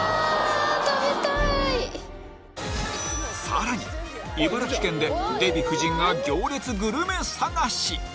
さらに茨城県でデヴィ夫人が行列グルメ探し！